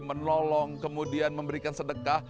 menolong kemudian memberikan sedekah